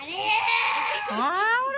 あれ！？